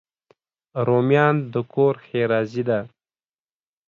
رومیان د کور ښېرازي ده